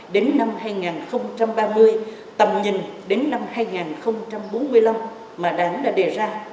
đến năm hai nghìn ba mươi tầm nhìn đến năm hai nghìn bốn mươi năm mà đảng đã đề ra